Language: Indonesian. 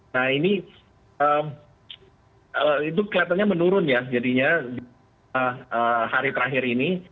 nah ini kelihatannya menurun ya jadinya hari terakhir ini